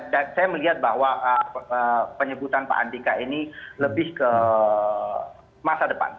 dan saya melihat bahwa penyebutan pak andika ini lebih ke masa depan